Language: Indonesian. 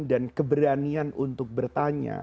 dan keberanian untuk bertanya